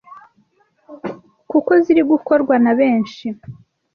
kuko ziri gukorwa na benshi